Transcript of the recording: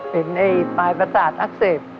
ไอ้ปลายประสาทอักเสบ